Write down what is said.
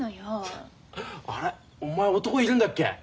あれお前男いるんだっけ？